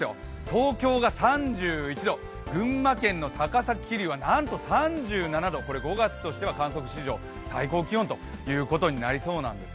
東京が３１度、群馬県の高崎・桐生がなんと３７度、これ、５月としては観測史上最高気温となりそうなんです。